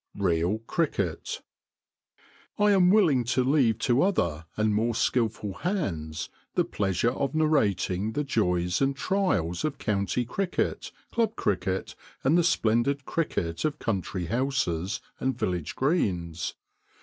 REAL CRICKET I AM willing to leave to other and more skilful hands the pleasure of narrating the joys and trials of county cricket, club cricket, and the splendid cricket of country houses and village greens.